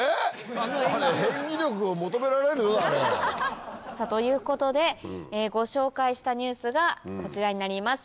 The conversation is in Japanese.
あれ演技力を求められる？ということでご紹介したニュースがこちらになります。